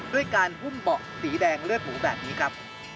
ด้วยการหุ้มเบาะสีแดงเลือดหมูแบบนี้ครับ